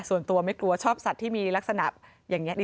ส่วนตัวไม่กลัวชอบสัตว์ที่มีลักษณะอย่างนี้